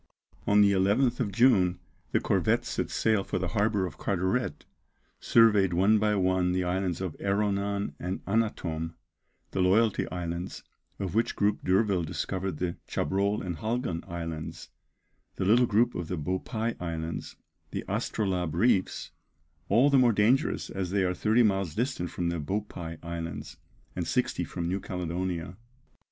On the 11th of June the corvette set sail for the harbour of Carteret; surveyed one by one the islands of Erronan and Annatom, the Loyalty Islands, of which group D'Urville discovered the Chabrol and Halgan Islands, the little group of the Beaupie Islands, the Astrolabe reefs, all the more dangerous as they are thirty miles distant from the Beaupie Islands, and sixty from New Caledonia.